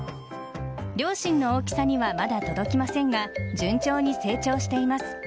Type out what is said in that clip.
両親の大きさにはまだ届きませんが順調に成長しています。